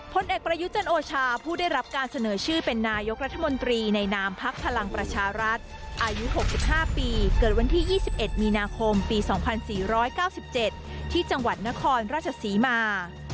พลเอกประยุจันโอชาผู้ได้รับการเสนอชื่อเป็นนายกรัฐมนตรีในนามพักพลังประชารัฐอายุ๖๕ปีเกิดวันที่๒๑มีนาคมปี๒๔๙๗ที่จังหวัดนครราชศรีมา